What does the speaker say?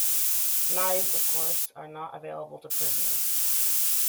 Knives, of course, are not available to prisoners.